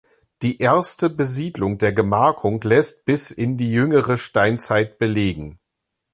Die erste Besiedlung der Gemarkung lässt bis in die jüngere Steinzeit belegen.